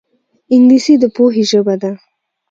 انګلیسي د پوهې ژبه ده